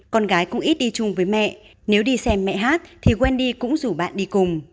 con gái cũng ít đi chung với mẹ nếu đi xem mẹ hát thì quen đi cũng rủ bạn đi cùng